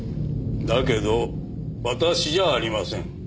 だけど私じゃありません。